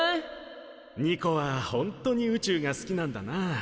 ニコは本当に宇宙が好きなんだな。